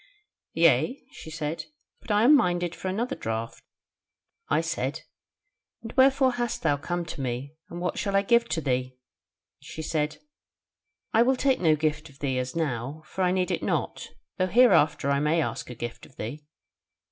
"'Yea,' she said; 'but I am minded for another draught.' I said: 'And wherefore hast thou come to me, and what shall I give to thee?' She said, 'I will take no gift of thee as now, for I need it not, though hereafter I may ask a gift of thee.